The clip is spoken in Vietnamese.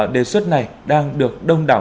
đề xuất này đang được đông đảo